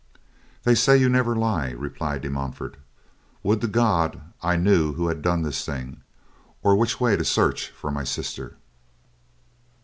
"They say you never lie," replied De Montfort. "Would to God I knew who had done this thing, or which way to search for my sister."